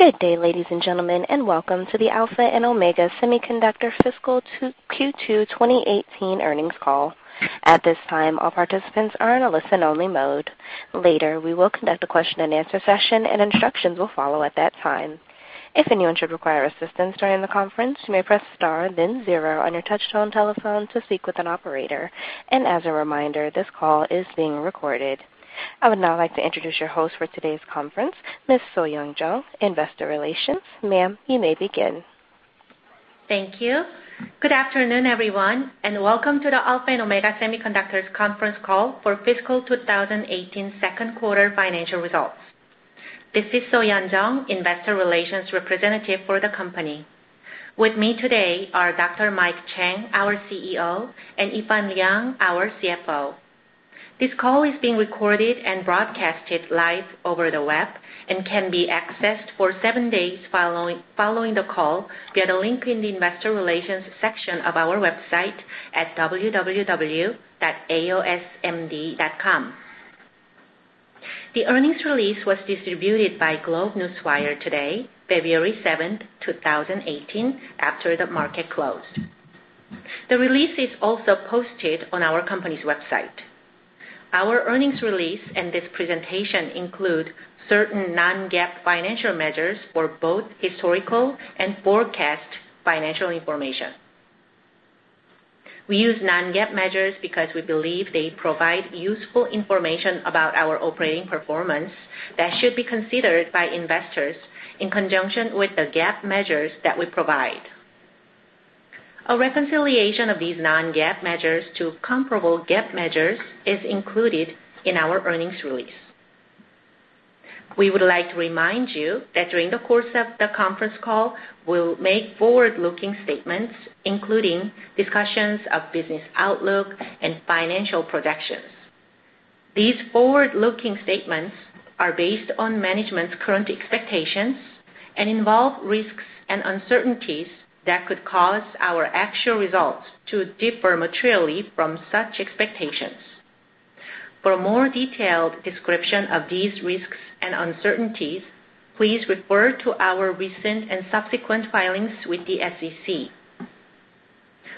Good day, ladies and gentlemen, and welcome to the Alpha and Omega Semiconductor fiscal Q2 2018 earnings call. At this time, all participants are in a listen-only mode. Later, we will conduct a question and answer session, and instructions will follow at that time. If anyone should require assistance during the conference, you may press star then zero on your touch-tone telephone to speak with an operator. As a reminder, this call is being recorded. I would now like to introduce your host for today's conference, Ms. So-Yeon Jeong, investor relations. Ma'am, you may begin. Thank you. Good afternoon, everyone, and welcome to the Alpha and Omega Semiconductor conference call for fiscal 2018 second quarter financial results. This is So-Yeon Jeong, investor relations representative for the company. With me today are Dr. Mike Chang, our CEO, and Yifan Liang, our CFO. This call is being recorded and broadcasted live over the web and can be accessed for seven days following the call via the link in the investor relations section of our website at www.aosmd.com. The earnings release was distributed by GlobeNewswire today, February 7th, 2018, after the market closed. The release is also posted on our company's website. Our earnings release and this presentation include certain non-GAAP financial measures for both historical and forecast financial information. We use non-GAAP measures because we believe they provide useful information about our operating performance that should be considered by investors in conjunction with the GAAP measures that we provide. A reconciliation of these non-GAAP measures to comparable GAAP measures is included in our earnings release. We would like to remind you that during the course of the conference call, we'll make forward-looking statements, including discussions of business outlook and financial projections. These forward-looking statements are based on management's current expectations and involve risks and uncertainties that could cause our actual results to differ materially from such expectations. For a more detailed description of these risks and uncertainties, please refer to our recent and subsequent filings with the SEC.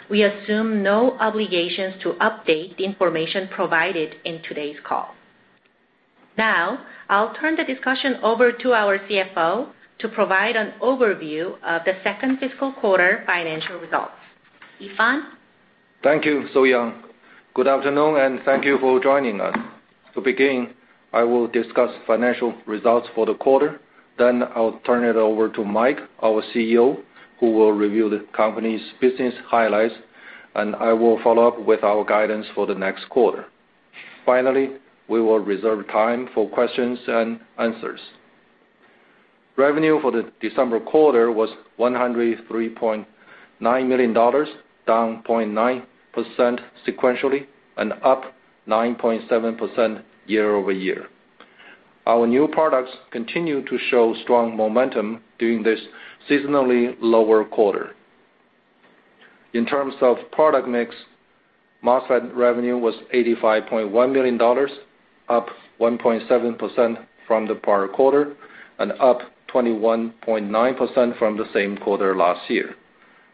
We assume no obligations to update the information provided in today's call. Now, I'll turn the discussion over to our CFO to provide an overview of the second fiscal quarter financial results. Yifan? Thank you, So-Yeon. Good afternoon, and thank you for joining us. To begin, I will discuss financial results for the quarter. I will turn it over to Mike, our CEO, who will review the company's business highlights, and I will follow up with our guidance for the next quarter. We will reserve time for questions and answers. Revenue for the December quarter was $103.9 million, down 0.9% sequentially and up 9.7% year-over-year. Our new products continue to show strong momentum during this seasonally lower quarter. In terms of product mix, MOSFET revenue was $85.1 million, up 1.7% from the prior quarter and up 21.9% from the same quarter last year.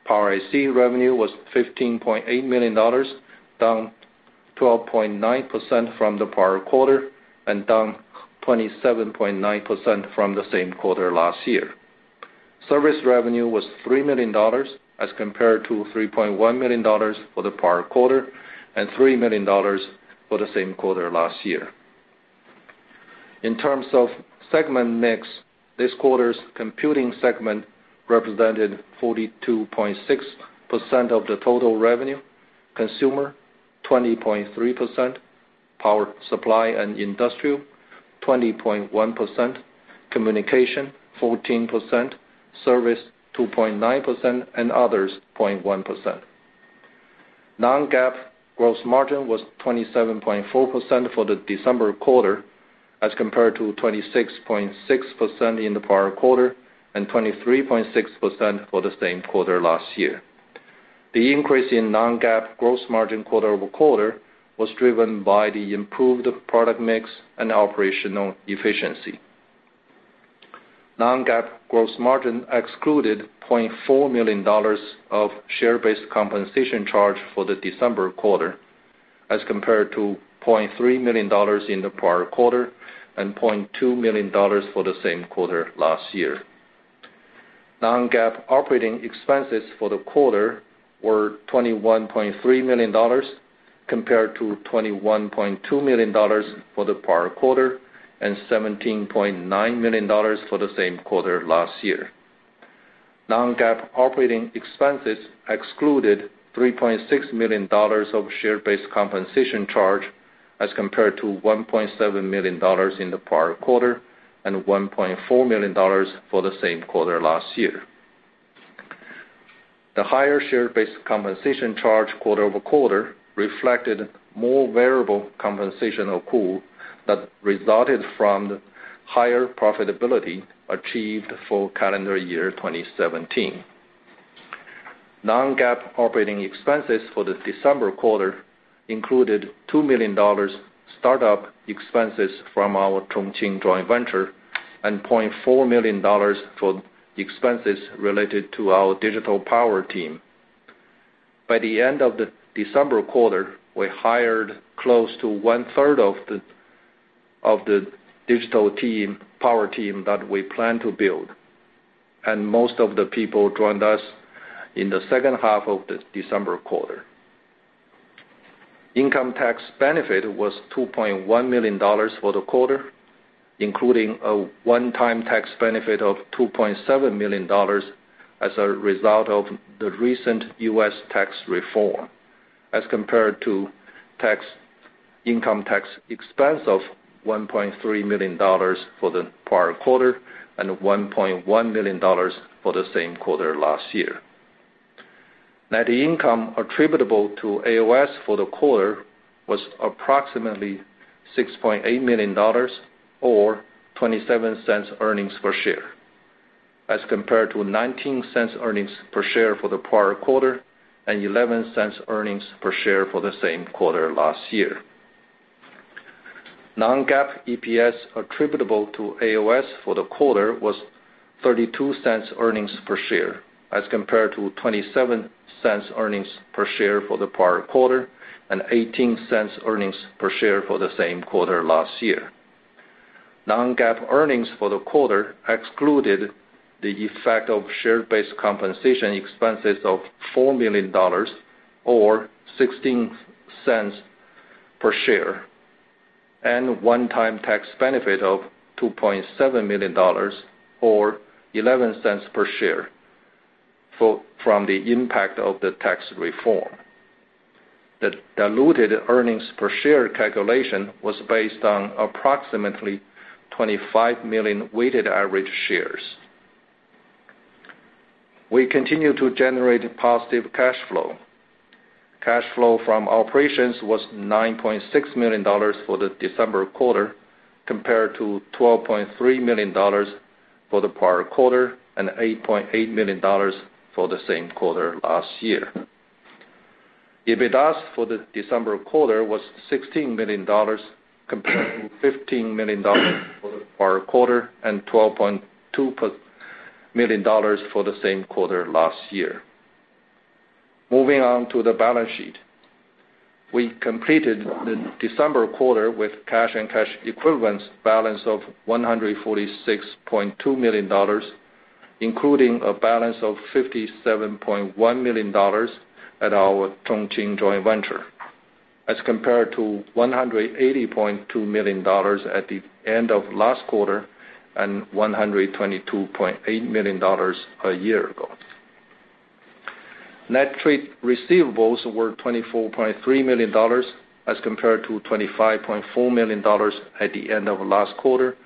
Power IC revenue was $15.8 million, down 12.9% from the prior quarter and down 27.9% from the same quarter last year. Service revenue was $3 million as compared to $3.1 million for the prior quarter and $3 million for the same quarter last year. In terms of segment mix, this quarter's computing segment represented 42.6% of the total revenue, consumer 20.3%, power supply and industrial 20.1%, communication 14%, service 2.9%, and others 0.1%. Non-GAAP gross margin was 27.4% for the December quarter as compared to 26.6% in the prior quarter and 23.6% for the same quarter last year. The increase in non-GAAP gross margin quarter-over-quarter was driven by the improved product mix and operational efficiency. Non-GAAP gross margin excluded $0.4 million of share-based compensation charge for the December quarter as compared to $0.3 million in the prior quarter and $0.2 million for the same quarter last year. Non-GAAP operating expenses for the quarter were $21.3 million compared to $21.2 million for the prior quarter and $17.9 million for the same quarter last year. Non-GAAP operating expenses excluded $3.6 million of share-based compensation charge as compared to $1.7 million in the prior quarter and $1.4 million for the same quarter last year. The higher share-based compensation charge quarter-over-quarter reflected more variable compensation accrual that resulted from the higher profitability achieved for calendar year 2017. Non-GAAP operating expenses for the December quarter included $2 million startup expenses from our Chongqing joint venture and $0.4 million for expenses related to our digital power team. By the end of the December quarter, we hired close to one-third of the digital power team that we plan to build, and most of the people joined us in the second half of the December quarter. Income tax benefit was $2.1 million for the quarter, including a one-time tax benefit of $2.7 million as a result of the recent U.S. tax reform, as compared to income tax expense of $1.3 million for the prior quarter and $1.1 million for the same quarter last year. Net income attributable to AOS for the quarter was approximately $6.8 million, or $0.27 earnings per share, as compared to $0.19 earnings per share for the prior quarter and $0.11 earnings per share for the same quarter last year. Non-GAAP EPS attributable to AOS for the quarter was $0.32 earnings per share, as compared to $0.27 earnings per share for the prior quarter and $0.18 earnings per share for the same quarter last year. Non-GAAP earnings for the quarter excluded the effect of share-based compensation expenses of $4 million, or $0.16 per share, and a one-time tax benefit of $2.7 million, or $0.11 per share from the impact of the tax reform. The diluted earnings per share calculation was based on approximately 25 million weighted average shares. We continue to generate positive cash flow. Cash flow from operations was $9.6 million for the December quarter, compared to $12.3 million for the prior quarter and $8.8 million for the same quarter last year. EBITDA for the December quarter was $16 million, compared to $15 million for the prior quarter and $12.2 million for the same quarter last year. Moving on to the balance sheet. We completed the December quarter with cash and cash equivalents balance of $146.2 million, including a balance of $57.1 million at our Chongqing joint venture, as compared to $180.2 million at the end of last quarter and $122.8 million a year ago. Net trade receivables were $24.3 million, as compared to $25.4 million at the end of last quarter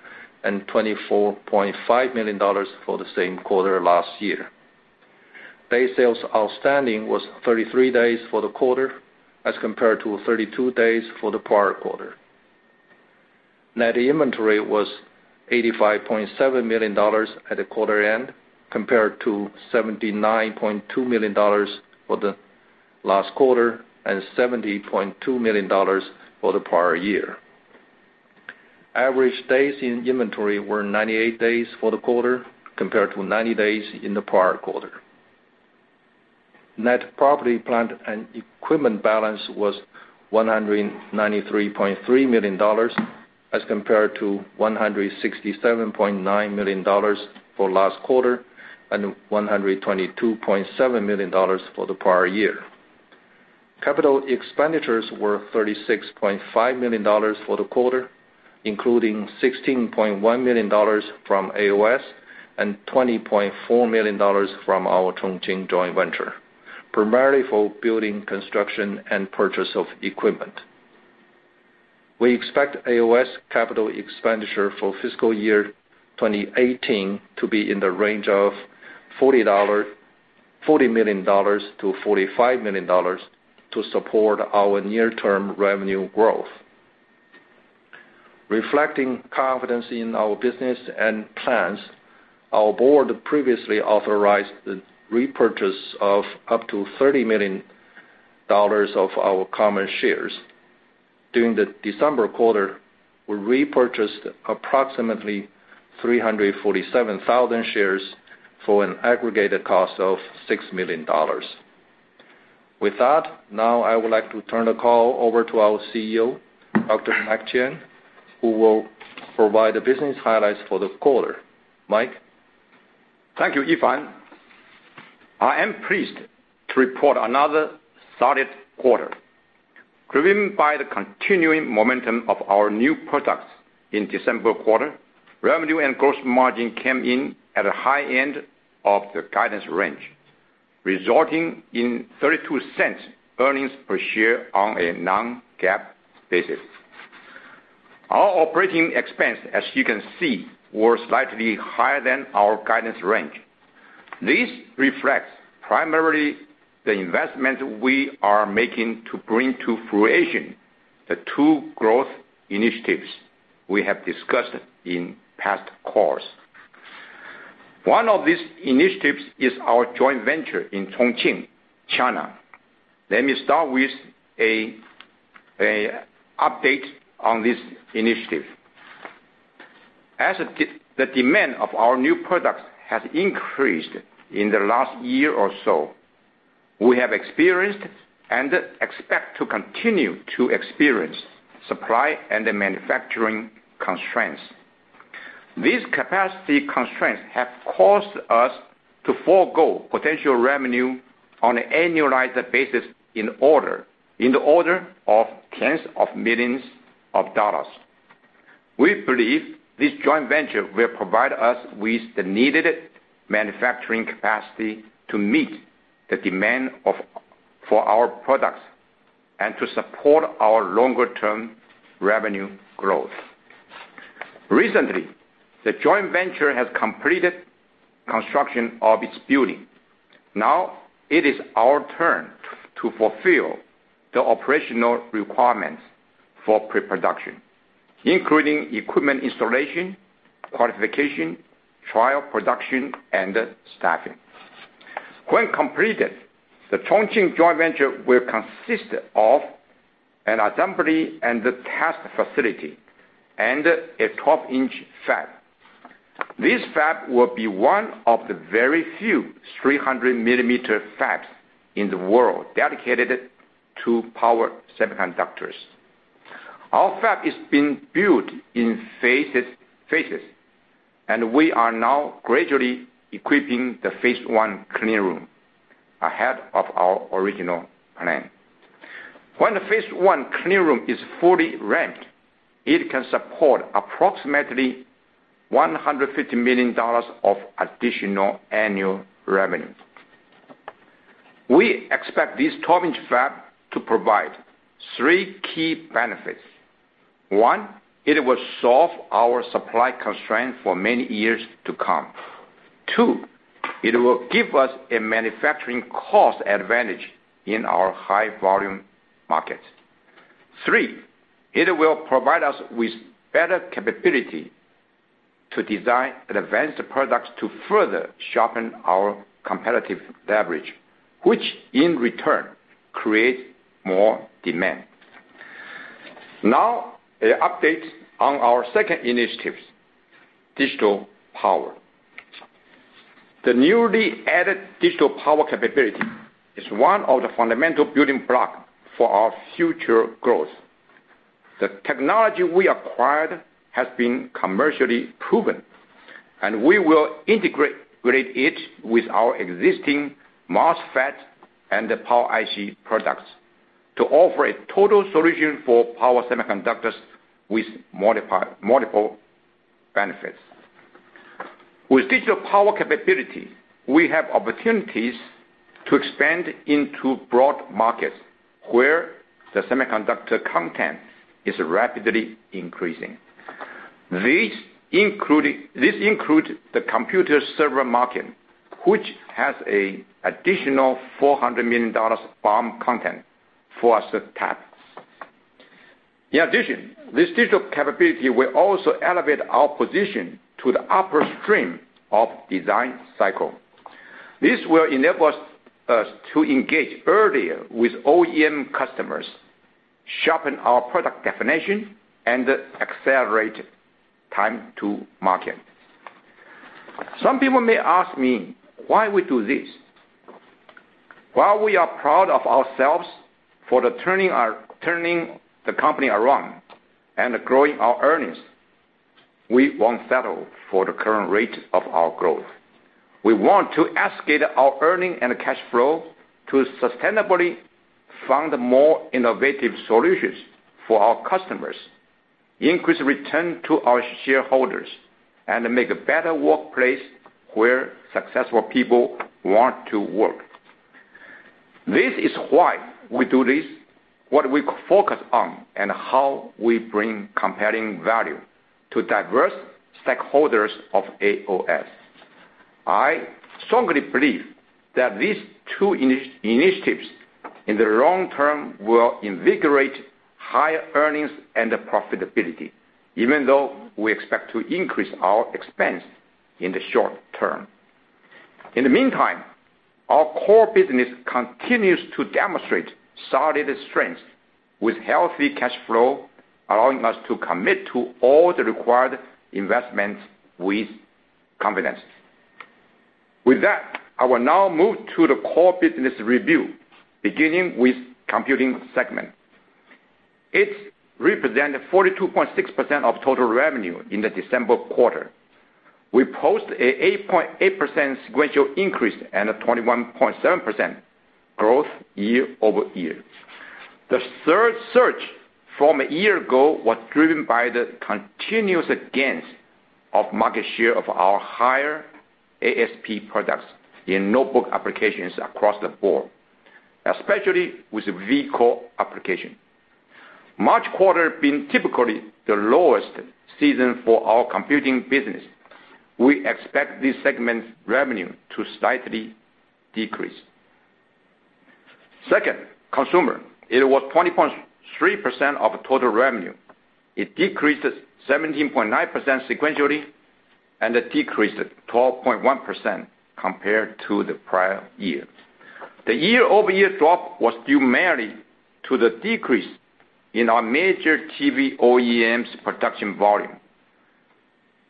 and $24.5 million for the same quarter last year. Day sales outstanding was 33 days for the quarter, as compared to 32 days for the prior quarter. Net inventory was $85.7 million at the quarter end, compared to $79.2 million for the last quarter and $70.2 million for the prior year. Average days in inventory were 98 days for the quarter, compared to 90 days in the prior quarter. Net property, plant, and equipment balance was $193.3 million, as compared to $167.9 million for last quarter and $122.7 million for the prior year. Capital expenditures were $36.5 million for the quarter, including $16.1 million from AOS and $20.4 million from our Chongqing joint venture, primarily for building construction and purchase of equipment. We expect AOS capital expenditure for fiscal year 2018 to be in the range of $40 million-$45 million to support our near-term revenue growth. Reflecting confidence in our business and plans, our board previously authorized the repurchase of up to $30 million of our common shares. During the December quarter, we repurchased approximately 347,000 shares for an aggregated cost of $6 million. With that, now I would like to turn the call over to our CEO, Dr. Mike Chang, who will provide the business highlights for the quarter. Mike? Thank you, Yifan. I am pleased to report another solid quarter. Driven by the continuing momentum of our new products in December quarter, revenue and gross margin came in at the high end of the guidance range, resulting in $0.32 per share on a non-GAAP basis. Our operating expense, as you can see, were slightly higher than our guidance range. This reflects primarily the investment we are making to bring to fruition the two growth initiatives we have discussed in past calls. One of these initiatives is our joint venture in Chongqing, China. Let me start with an update on this initiative. As the demand of our new products has increased in the last year or so, we have experienced and expect to continue to experience supply and manufacturing constraints. These capacity constraints have caused us to forego potential revenue on an annualized basis in the order of tens of millions of dollars. We believe this joint venture will provide us with the needed manufacturing capacity to meet the demand for our products and to support our longer-term revenue growth. Recently, the joint venture has completed construction of its building. Now it is our turn to fulfill the operational requirements for pre-production, including equipment installation, qualification, trial production, and staffing. When completed, the Chongqing joint venture will consist of an assembly and a test facility, and a 12-inch fab. This fab will be one of the very few 300-millimeter fabs in the world dedicated to power semiconductors. Our fab is being built in phases, and we are now gradually equipping the phase 1 clean room ahead of our original plan. When the phase 1 clean room is fully ramped, it can support approximately $150 million of additional annual revenue. We expect this 12-inch fab to provide three key benefits. One, it will solve our supply constraint for many years to come. Two, it will give us a manufacturing cost advantage in our high-volume markets. Three, it will provide us with better capability to design advanced products to further sharpen our competitive advantage, which in return creates more demand. Now, an update on our second initiative, digital power. The newly added digital power capability is one of the fundamental building blocks for our future growth. The technology we acquired has been commercially proven, and we will integrate it with our existing MOSFET and the Power IC products to offer a total solution for power semiconductors with multiple benefits. With digital power capability, we have opportunities to expand into broad markets where the semiconductor content is rapidly increasing. This includes the computer server market, which has an additional $400 million BOM content for us to tap. In addition, this digital capability will also elevate our position to the upper stream of the design cycle. This will enable us to engage earlier with OEM customers, sharpen our product definition, and accelerate time to market. Some people may ask me why we do this. While we are proud of ourselves for turning the company around and growing our earnings, we won't settle for the current rate of our growth. We want to escalate our earning and cash flow to sustainably fund more innovative solutions for our customers, increase return to our shareholders, and make a better workplace where successful people want to work. This is why we do this, what we focus on, and how we bring compelling value to diverse stakeholders of AOS. I strongly believe that these two initiatives in the long term will invigorate higher earnings and profitability, even though we expect to increase our expense in the short term. In the meantime, our core business continues to demonstrate solid strength with healthy cash flow, allowing us to commit to all the required investments with confidence. With that, I will now move to the core business review, beginning with the computing segment. It represented 42.6% of total revenue in the December quarter. We post an 8.8% sequential increase and a 21.7% growth year-over-year. The surge from a year ago was driven by the continuous gains of market share of our higher ASP products in notebook applications across the board, especially with Vcore application. March quarter being typically the lowest season for our computing business, we expect this segment's revenue to slightly decrease. Second, consumer. It was 20.3% of total revenue. It decreased 17.9% sequentially. It decreased 12.1% compared to the prior year. The year-over-year drop was due mainly to the decrease in our major TV OEMs production volume,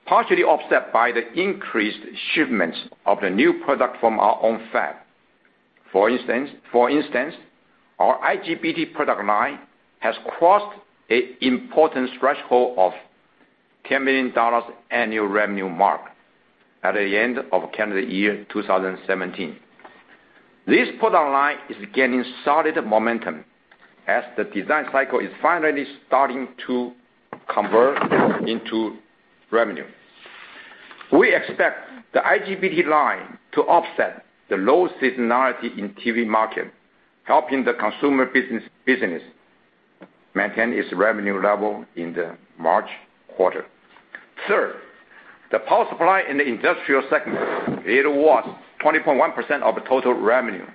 partially offset by the increased shipments of the new product from our own fab. For instance, our IGBT product line has crossed an important threshold of $10 million annual revenue mark at the end of calendar year 2017. This product line is gaining solid momentum as the design cycle is finally starting to convert into revenue. We expect the IGBT line to offset the low seasonality in TV market, helping the consumer business maintain its revenue level in the March quarter. Third, the power supply in the industrial segment. It was 20.1% of total revenue,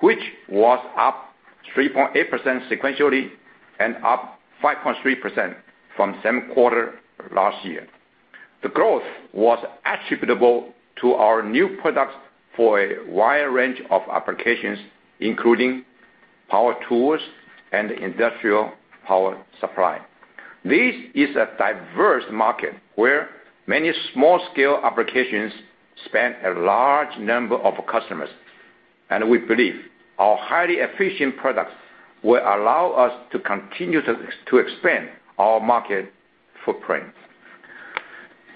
which was up 3.8% sequentially and up 5.3% from the same quarter last year. The growth was attributable to our new products for a wide range of applications, including power tools and industrial power supply. This is a diverse market where many small-scale applications span a large number of customers. We believe our highly efficient products will allow us to continue to expand our market footprint.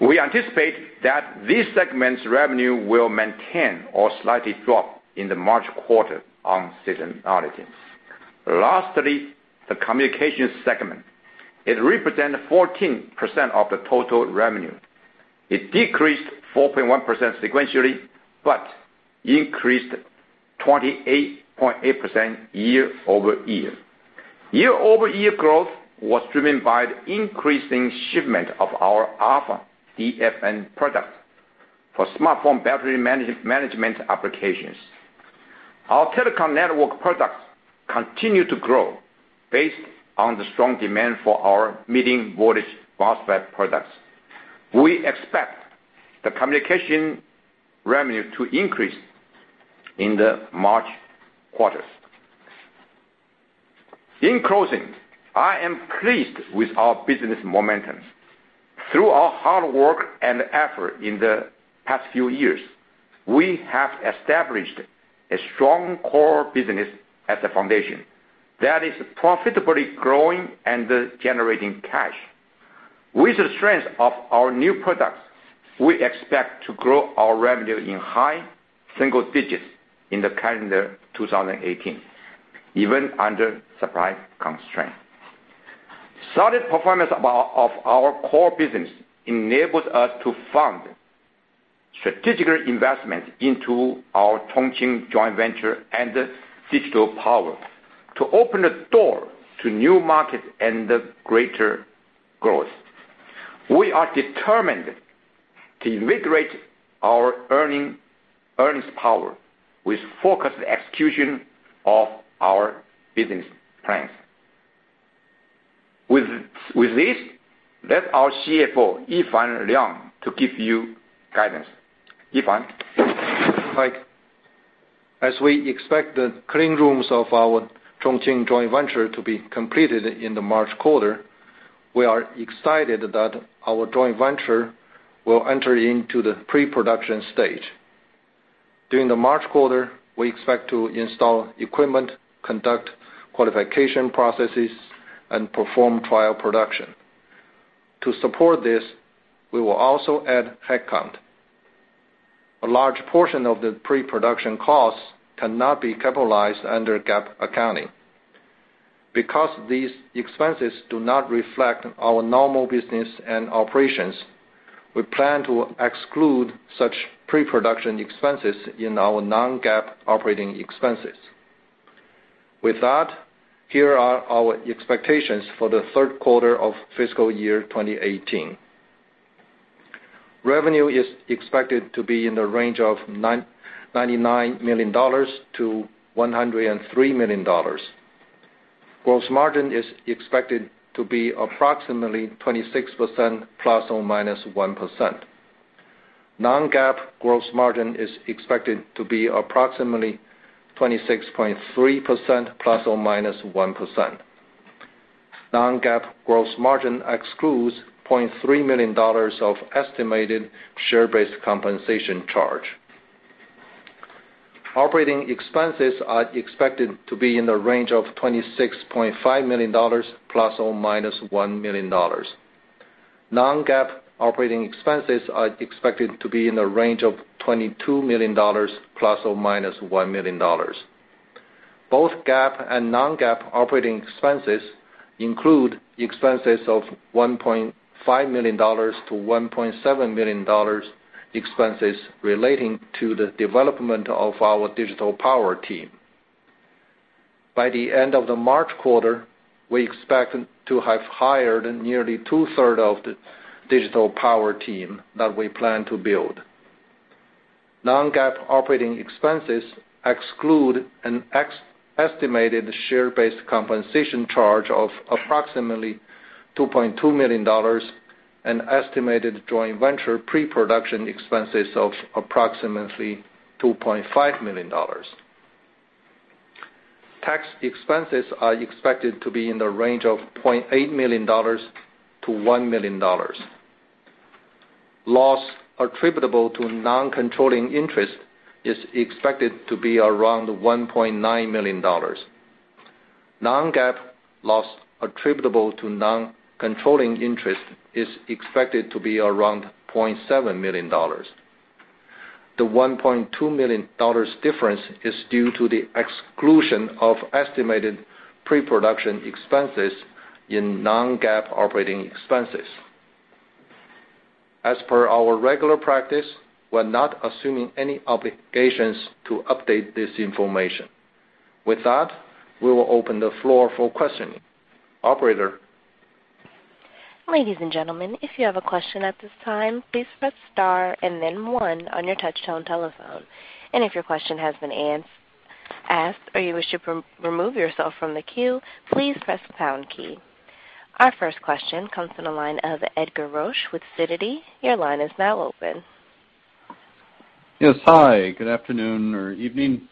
We anticipate that this segment's revenue will maintain or slightly drop in the March quarter on seasonalities. Lastly, the communications segment. It represents 14% of the total revenue. It decreased 4.1% sequentially, but increased 28.8% year-over-year. Year-over-year growth was driven by the increasing shipment of our AlphaDFN product for smartphone battery management applications. Our telecom network products continue to grow based on the strong demand for our medium voltage MOSFET products. We expect the communication revenue to increase in the March quarters. In closing, I am pleased with our business momentum. Through our hard work and effort in the past few years, we have established a strong core business as a foundation that is profitably growing and generating cash. With the strength of our new products, we expect to grow our revenue in high single digits in calendar 2018, even under supply constraints. Solid performance of our core business enables us to fund strategic investment into our Chongqing joint venture and digital power to open the door to new market and greater growth. We are determined to invigorate our earnings power with focused execution of our business plans. With this, let our CFO, Yifan Liang, to give you guidance. Yifan? Mike. As we expect the clean rooms of our Chongqing joint venture to be completed in the March quarter, we are excited that our joint venture will enter into the pre-production stage. During the March quarter, we expect to install equipment, conduct qualification processes, and perform trial production. To support this, we will also add headcount. A large portion of the pre-production costs cannot be capitalized under GAAP accounting. Because these expenses do not reflect our normal business and operations, we plan to exclude such pre-production expenses in our non-GAAP operating expenses. With that, here are our expectations for the third quarter of fiscal year 2018. Revenue is expected to be in the range of $99 million-$103 million. Gross margin is expected to be approximately 26%, ±1%. Non-GAAP gross margin is expected to be approximately 26.3%, ±1%. Non-GAAP gross margin excludes $0.3 million of estimated share-based compensation charge. Operating expenses are expected to be in the range of $26.5 million ±$1 million. Non-GAAP operating expenses are expected to be in the range of $22 million ±$1 million. Both GAAP and non-GAAP operating expenses include expenses of $1.5 million-$1.7 million, expenses relating to the development of our digital power team. By the end of the March quarter, we expect to have hired nearly two-third of the digital power team that we plan to build. Non-GAAP operating expenses exclude an estimated share-based compensation charge of approximately $2.2 million, an estimated joint venture pre-production expenses of approximately $2.5 million. Tax expenses are expected to be in the range of $0.8 million-$1 million. Loss attributable to non-controlling interest is expected to be around $1.9 million. Non-GAAP loss attributable to non-controlling interest is expected to be around $0.7 million. The $1.2 million difference is due to the exclusion of estimated pre-production expenses in non-GAAP operating expenses. As per our regular practice, we're not assuming any obligations to update this information. With that, we will open the floor for questioning. Operator? Ladies and gentlemen, if you have a question at this time, please press star and then one on your touchtone telephone. If your question has been asked or you wish to remove yourself from the queue, please press the pound key. Our first question comes from the line of Edgar Roche with Citi. Your line is now open. Yes. Hi, good afternoon or evening.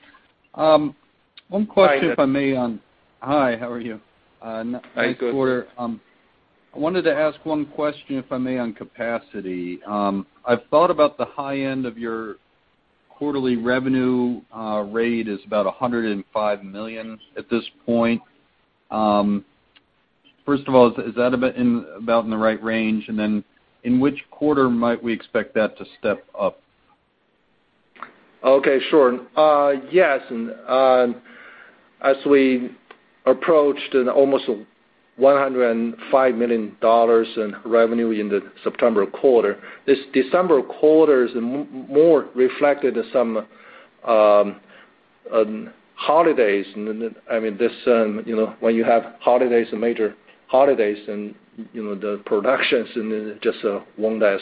One question, if I may, on- Hi. Hi, how are you? I'm good. I wanted to ask one question, if I may, on capacity. I've thought about the high end of your quarterly revenue rate is about $105 million at this point. First of all, is that about in the right range? Then in which quarter might we expect that to step up? Okay, sure. Yes. As we approached almost $105 million in revenue in the September quarter, this December quarter is more reflected as some holidays. When you have holidays, major holidays, then the production weren't as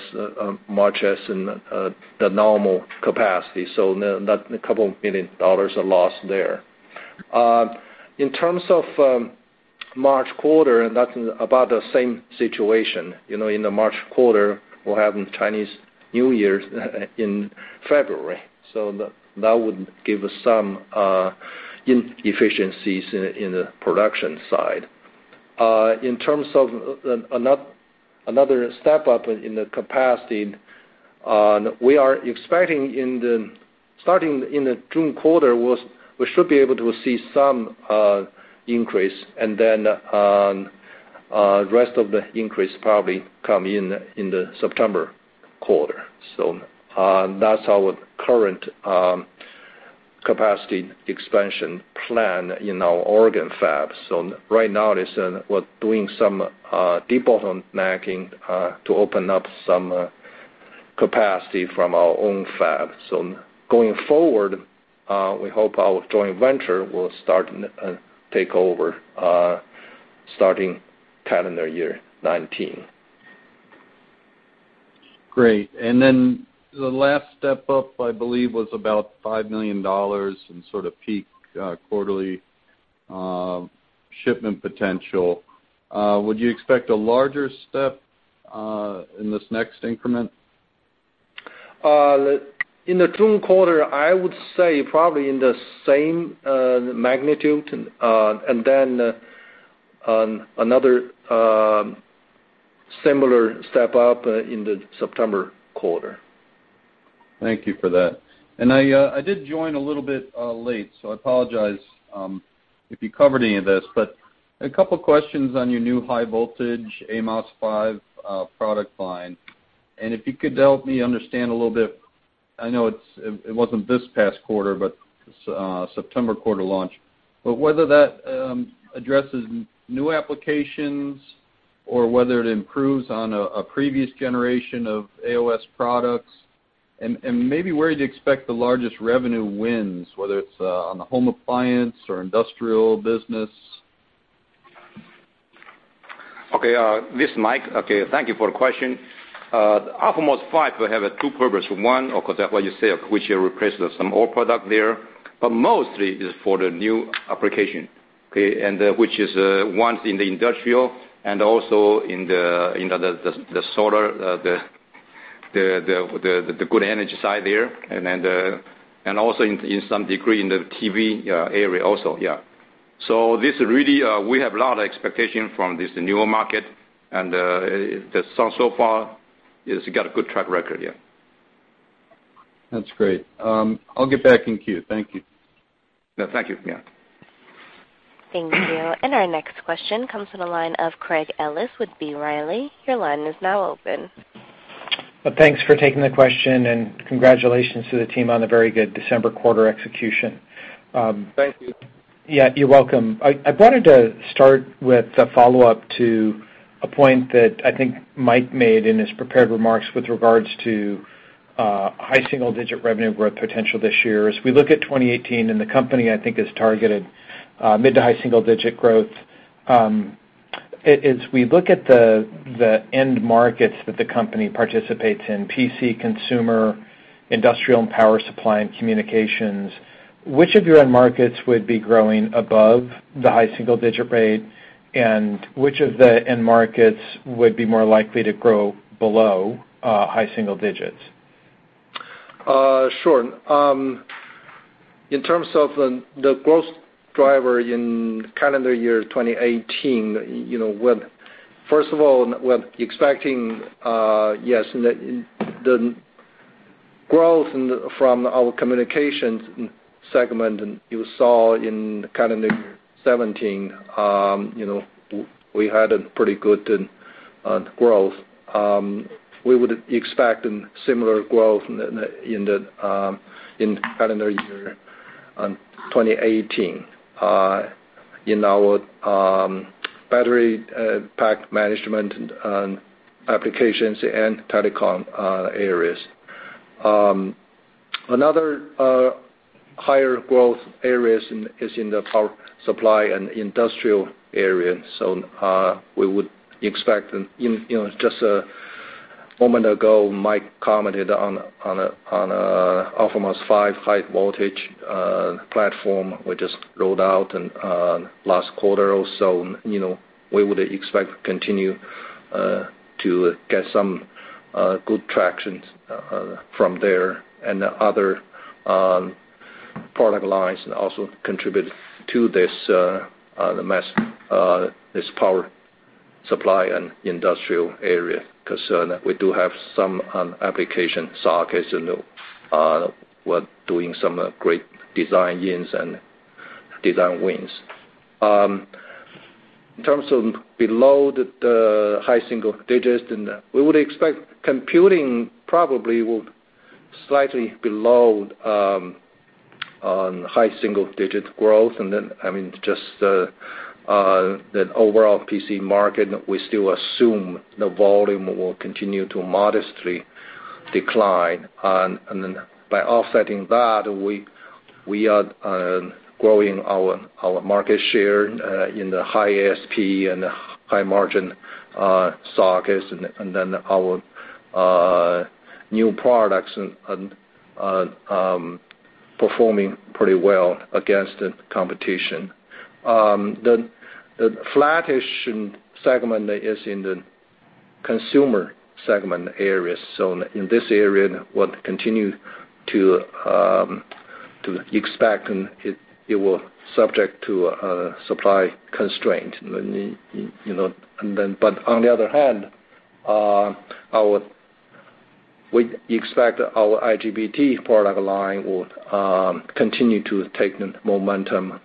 much as in the normal capacity. A couple million dollars are lost there. In terms of March quarter, that's about the same situation. In the March quarter, we're having Chinese New Year's in February, that would give us some inefficiencies in the production side. In terms of another step up in the capacity, we are expecting starting in the June quarter, we should be able to see some increase, then rest of the increase probably come in the September quarter. That's our current capacity expansion plan in our Oregon fab. Right now, we're doing some debottlenecking to open up some capacity from our own fab. going forward, we hope our joint venture will start take over starting calendar year 2019. Great. The last step up, I believe, was about $5 million in sort of peak quarterly shipment potential. Would you expect a larger step in this next increment? In the June quarter, I would say probably in the same magnitude, and then another similar step up in the September quarter. Thank you for that. I did join a little bit late, so I apologize if you covered any of this, but a couple questions on your new high voltage αMOS5 product line, and if you could help me understand a little bit, I know it wasn't this past quarter, but September quarter launch, but whether that addresses new applications or whether it improves on a previous generation of AOS products and maybe where you'd expect the largest revenue wins, whether it's on the home appliance or industrial business. This is Mike. Thank you for the question. αMOS5 will have a two purpose. One, like what you said, which will replace some old product there, but mostly it is for the new application. Which is, one, it's in the industrial and also in the solar, the good energy side there, and also in some degree in the TV area also, yeah. This really, we have a lot of expectation from this newer market, and so far it's got a good track record, yeah. That's great. I'll get back in queue. Thank you. Thank you. Thank you. Our next question comes from the line of Craig Ellis with B. Riley. Your line is now open. Thanks for taking the question and congratulations to the team on the very good December quarter execution. Thank you. Yeah, you're welcome. I wanted to start with a follow-up to a point that I think Mike made in his prepared remarks with regards to high single-digit revenue growth potential this year. As we look at 2018 and the company, I think has targeted mid to high single-digit growth. As we look at the end markets that the company participates in, PC, consumer, industrial and power supply, and communications, which of your end markets would be growing above the high single-digit rate, and which of the end markets would be more likely to grow below high single digits? Sure. In terms of the growth driver in calendar year 2018, first of all, we're expecting, yes, the growth from our communications segment, and you saw in calendar year 2017, we had a pretty good growth. We would expect similar growth in calendar year 2018 in our battery pack management and applications and telecom areas. Another higher growth areas is in the power supply and industrial area. We would expect, just a moment ago, Mike commented on αMOS5 high voltage platform we just rolled out in last quarter or so. We would expect to continue to get some good traction from there and the other product lines also contribute to this power supply and industrial area concern. We do have some application sockets, and we're doing some great design-ins and design wins. In terms of below the high single digits, we would expect computing probably will slightly be below on high single-digit growth. Just the overall PC market, we still assume the volume will continue to modestly decline. By offsetting that, we are growing our market share in the high ASP and the high margin sockets, and our new products are performing pretty well against the competition. The flattish segment is in the consumer segment areas. In this area, we'll continue to expect it will subject to a supply constraint. On the other hand, we expect our IGBT product line will continue to take the momentum.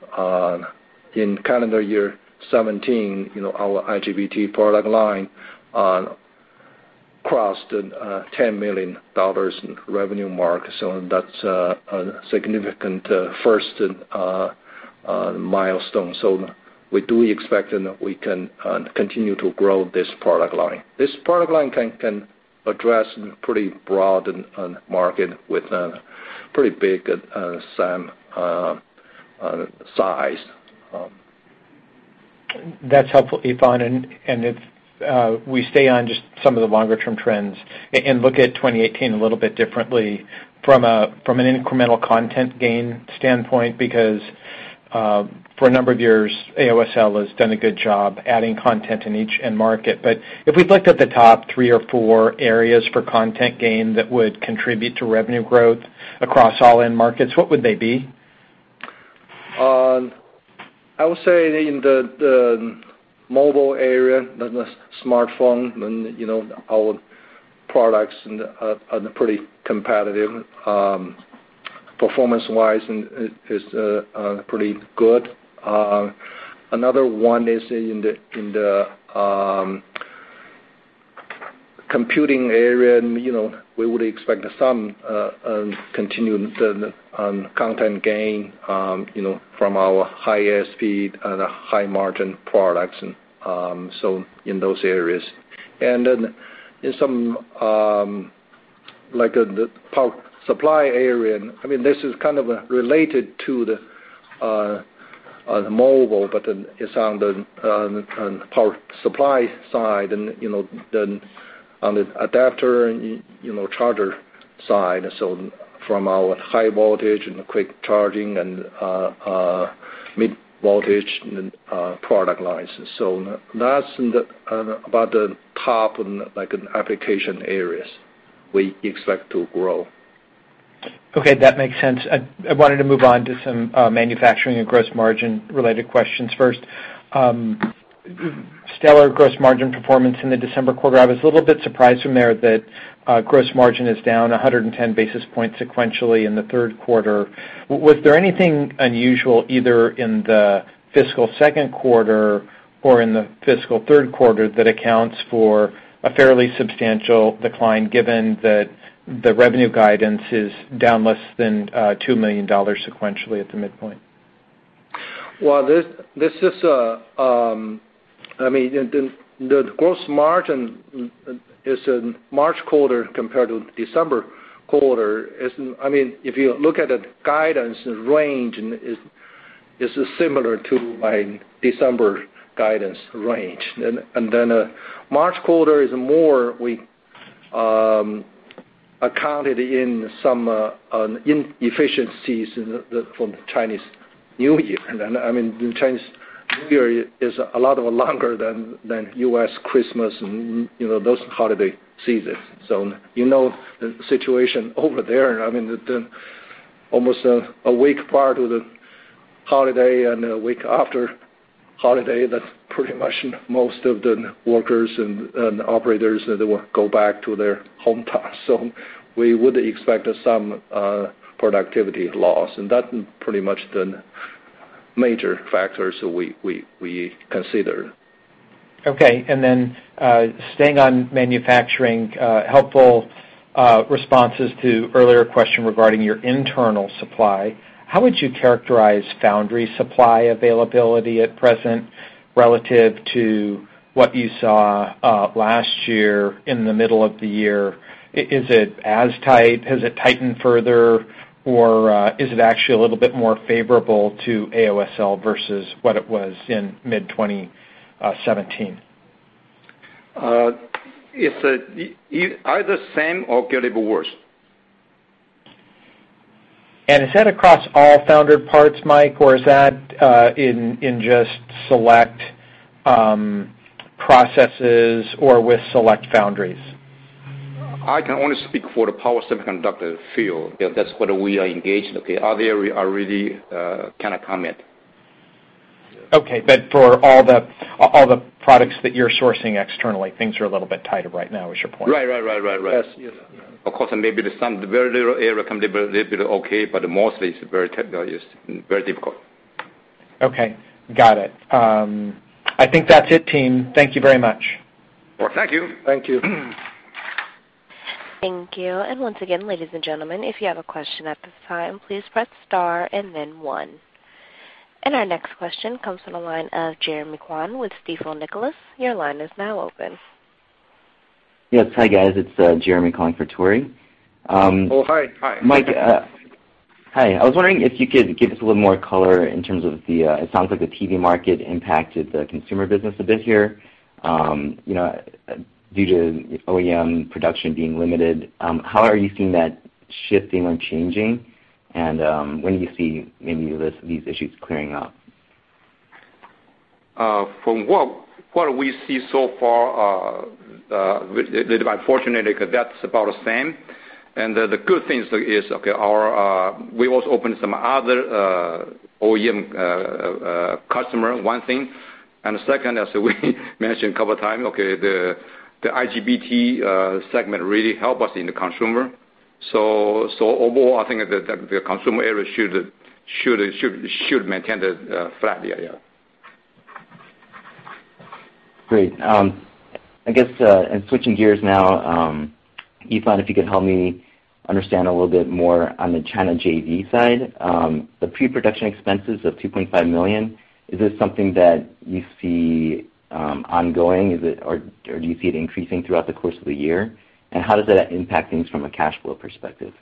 In calendar year 2017, our IGBT product line crossed the $10 million revenue mark, that's a significant first milestone. We do expect we can continue to grow this product line. This product line can address pretty broad market with a pretty big SAM size. That's helpful, Yifan. If we stay on just some of the longer-term trends and look at 2018 a little bit differently from an incremental content gain standpoint, because for a number of years, AOSL has done a good job adding content in each end market. If we looked at the top three or four areas for content gain that would contribute to revenue growth across all end markets, what would they be? I would say in the mobile area, the smartphone, our products are pretty competitive, performance-wise, and it is pretty good. Another one is in the computing area, we would expect some continued content gain, from our highest speed and high-margin products, in those areas. In some, like the power supply area, this is kind of related to the mobile, but it's on the power supply side and on the adapter, charger side. From our high voltage and quick charging and mid voltage product lines. That's about the top application areas we expect to grow. Okay. That makes sense. I wanted to move on to some manufacturing and gross margin-related questions first. Stellar gross margin performance in the December quarter. I was a little bit surprised from there that gross margin is down 110 basis points sequentially in the third quarter. Was there anything unusual either in the fiscal second quarter or in the fiscal third quarter that accounts for a fairly substantial decline given that the revenue guidance is down less than $2 million sequentially at the midpoint? Well, the gross margin is in March quarter compared to December quarter. If you look at the guidance range, it's similar to my December guidance range. March quarter is more, we accounted in some inefficiencies from the Chinese New Year. The Chinese New Year is a lot longer than U.S. Christmas and those holiday seasons. You know the situation over there. Almost a week prior to the holiday and a week after holiday, that's pretty much most of the workers and operators, they will go back to their hometown. We would expect some productivity loss, and that's pretty much the major factors we consider. Okay. Staying on manufacturing, helpful responses to earlier question regarding your internal supply. How would you characterize foundry supply availability at present relative to what you saw last year in the middle of the year? Is it as tight? Has it tightened further, or is it actually a little bit more favorable to AOSL versus what it was in mid 2017? It's either same or a little bit worse. Is that across all foundry parts, Mike, or is that in just select processes or with select foundries? I can only speak for the power semiconductor field. That's what we are engaged, okay? Other, I really cannot comment. Okay. For all the products that you're sourcing externally, things are a little bit tighter right now, is your point. Right. Yes. Of course, maybe some, very little area can be a little bit okay, but mostly it's very difficult. Okay. Got it. I think that is it, team. Thank you very much. Thank you. Thank you. Thank you. Once again, ladies and gentlemen, if you have a question at this time, please press star and then one. Our next question comes from the line of Jeremy Kwan with Stifel Nicolaus. Your line is now open. Yes. Hi, guys. It is Jeremy calling for Tore. Oh, hi. Hi. Mike. Hi. I was wondering if you could give us a little more color in terms of the It sounds like the TV market impacted the consumer business a bit here. Due to OEM production being limited, how are you seeing that shifting or changing? When do you see maybe these issues clearing up? From what we see so far, fortunately, because that's about the same. The good things is, we also opened some other OEM customer, one thing. Second, as we mentioned couple of times, the IGBT segment really help us in the consumer. Overall, I think that the consumer area should maintain the flat area. Great. I guess, switching gears now, Yifan, if you could help me understand a little bit more on the China JV side. The pre-production expenses of $2.5 million, is this something that you see ongoing? Do you see it increasing throughout the course of the year? How does that impact things from a cash flow perspective?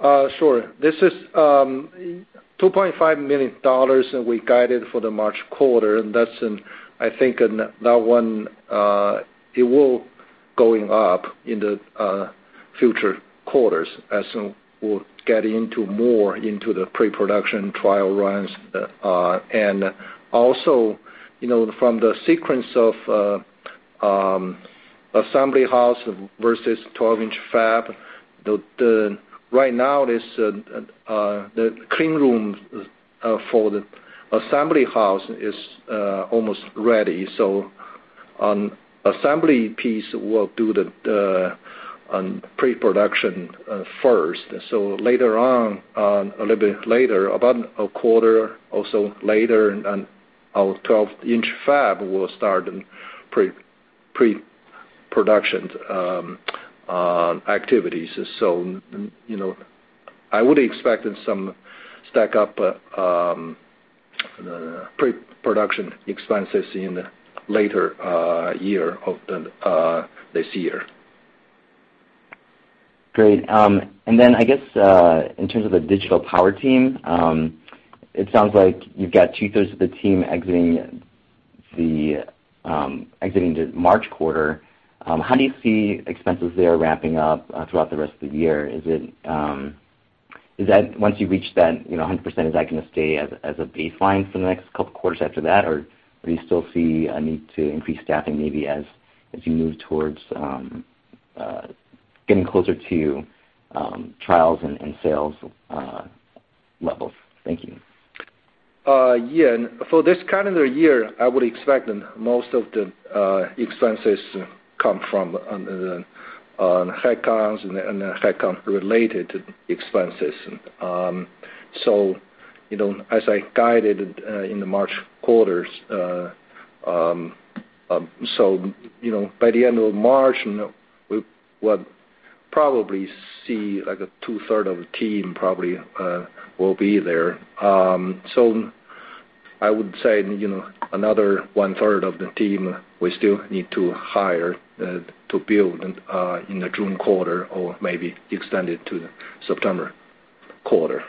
Sure. This is $2.5 million we guided for the March quarter, that's in, I think, that one, it will going up in the future quarters as we'll get into more into the pre-production trial runs. Also, from the sequence of assembly house versus 12-inch fab, right now, the clean room for the assembly house is almost ready. On assembly piece, we'll do the pre-production first. Later on, a little bit later, about a quarter or so later, our 12-inch fab will start pre-production activities. I would expect some stack-up pre-production expenses in later year of this year. Great. I guess, in terms of the digital power team, it sounds like you've got two-thirds of the team exiting the March quarter. How do you see expenses there ramping up throughout the rest of the year? Once you reach that, 100%, is that going to stay as a baseline for the next couple quarters after that, or do you still see a need to increase staffing maybe as you move towards getting closer to trials and sales levels? Thank you. Yeah. For this calendar year, I would expect most of the expenses come from on headcounts and headcount-related expenses. As I guided in the March quarters, by the end of March, Probably see like a two-third of the team probably will be there. I would say, another one-third of the team we still need to hire to build in the June quarter or maybe extend it to the September quarter.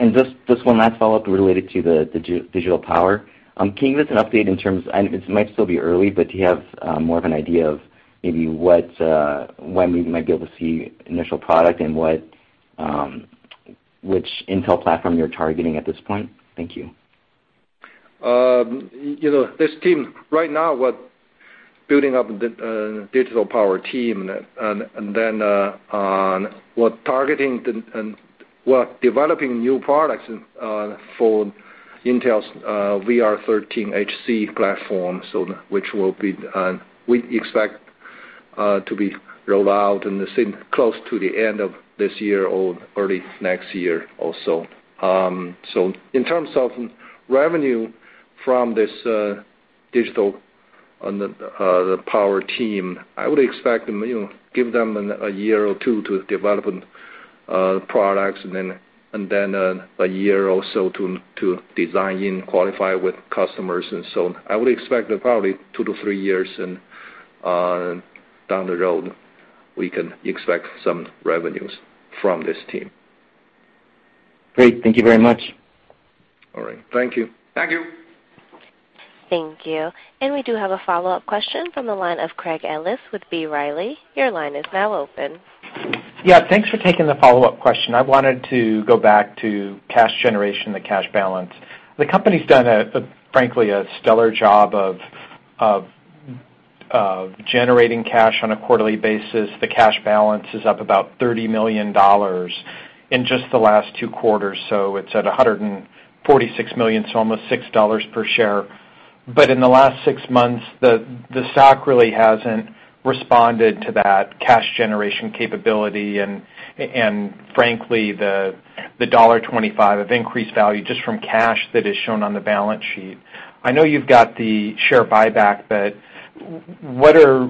Just this one last follow-up related to the digital power. Can you give us an update in terms, and it might still be early, but do you have more of an idea of maybe when we might be able to see initial product and which Intel platform you're targeting at this point? Thank you. This team right now, we're building up the digital power team, and then we're targeting and we're developing new products for Intel's VR13HC platform. Which we expect to be rolled out close to the end of this year or early next year also. In terms of revenue from this digital power team, I would expect, give them a year or two to develop products and then a year or so to design and qualify with customers and so on. I would expect probably two to three years, and down the road we can expect some revenues from this team. Great. Thank you very much. All right. Thank you. Thank you. Thank you. We do have a follow-up question from the line of Craig Ellis with B. Riley. Your line is now open. Yeah. Thanks for taking the follow-up question. I wanted to go back to cash generation, the cash balance. The company's done, frankly, a stellar job of generating cash on a quarterly basis. The cash balance is up about $30 million in just the last two quarters, so it's at $146 million, so almost $6 per share. In the last six months, the stock really hasn't responded to that cash generation capability, and frankly, the $1.25 of increased value just from cash that is shown on the balance sheet. I know you've got the share buyback, what are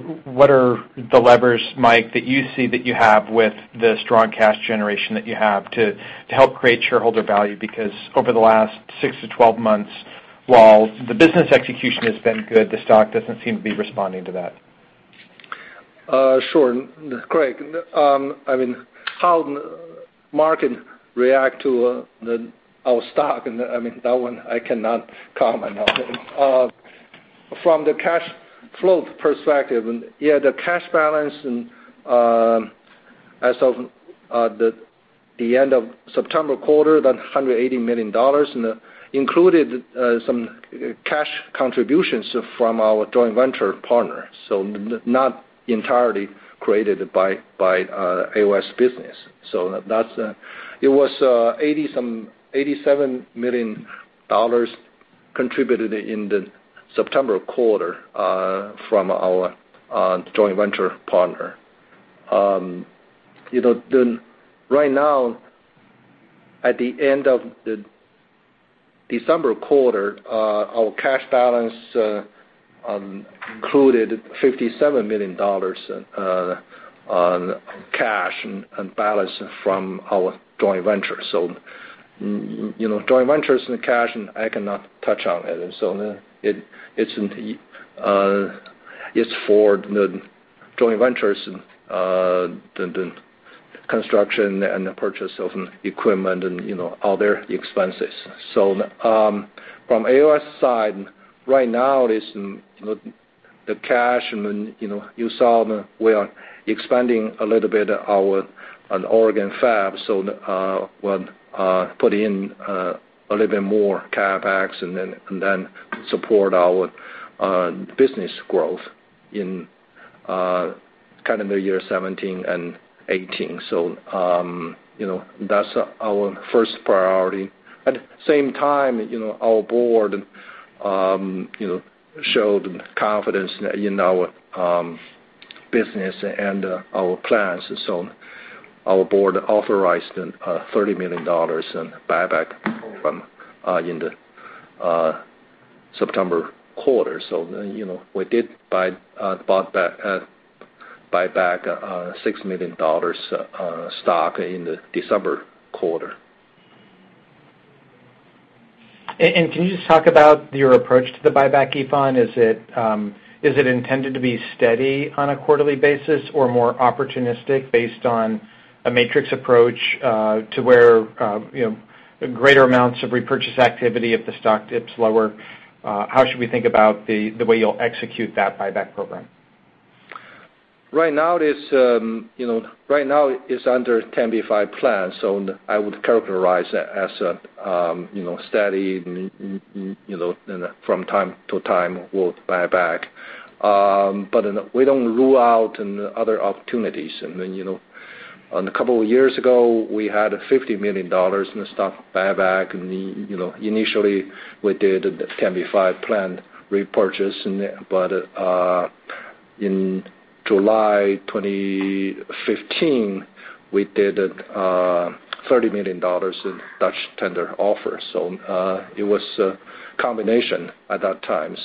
the levers, Mike, that you see that you have with the strong cash generation that you have to help create shareholder value? Over the last six to 12 months, while the business execution has been good, the stock doesn't seem to be responding to that. Sure. Craig, how the market react to our stock, that one I cannot comment on it. From the cash flow perspective, yeah, the cash balance as of the end of September quarter, that $180 million included some cash contributions from our joint venture partner, not entirely created by AOS business. It was $87 million contributed in the September quarter from our joint venture partner. Right now, at the end of the December quarter, our cash balance included $57 million on cash and balance from our joint venture. Joint ventures and cash, I cannot touch on it. It's for the joint ventures, the construction and the purchase of equipment and other expenses. From AOS side, right now, the cash, you saw we are expanding a little bit our Oregon fab, we'll put in a little bit more CapEx and then support our business growth in calendar year 2017 and 2018. That's our first priority. At the same time, our board showed confidence in our business and our plans, our board authorized $30 million in buyback program in the September quarter. We did buy back $6 million stock in the December quarter. Can you just talk about your approach to the buyback, Yifan? Is it intended to be steady on a quarterly basis or more opportunistic based on a matrix approach, to where greater amounts of repurchase activity if the stock dips lower? How should we think about the way you'll execute that buyback program? Right now it's under 10b5-1 plan, I would characterize it as steady, from time to time, we'll buy back. We don't rule out other opportunities. A couple of years ago, we had $50 million in the stock buyback, initially we did a 10b5-1 plan repurchase. In July 2015, we did a $30 million Dutch tender offer, it was a combination at that time.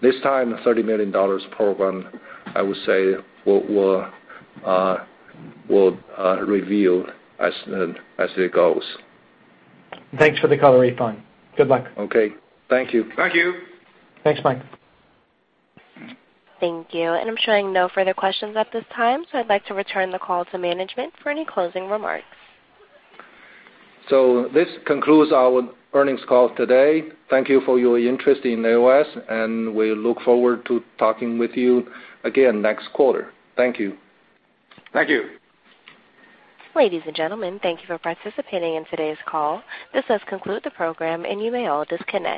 This time, $30 million program, I would say, we'll review as it goes. Thanks for the color, Yifan. Good luck. Okay. Thank you. Thank you. Thanks, Mike. Thank you. I'm showing no further questions at this time, I'd like to return the call to management for any closing remarks. This concludes our earnings call today. Thank you for your interest in AOS, and we look forward to talking with you again next quarter. Thank you. Thank you. Ladies and gentlemen, thank you for participating in today's call. This does conclude the program, and you may all disconnect.